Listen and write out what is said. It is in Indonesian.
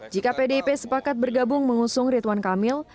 jika pdip sepakat bergabung mengusung ridwan kamil